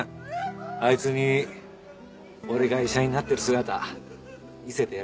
あいつに俺が医者になってる姿見せてやりたかったな。